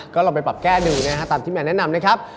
ก็เราไปแก้ดูตามที่แหมนแนะนำนะครับ